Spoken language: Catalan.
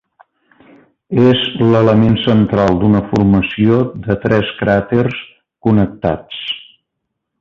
És l'element central d'una formació de tres cràters connectats.